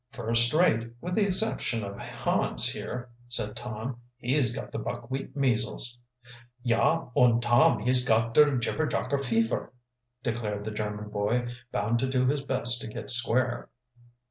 "First rate, with the exception of Hans here," said Tom. "He's got the buckwheat measles." "Yah, und Tom he's got der jipperjocker fefer," declared the German boy, bound to do his best to get square.